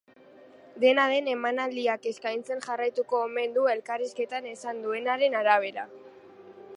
Dena den, emanaldiak eskaintzen jarraituko omen du elkarrizketan esan duenaren arabera.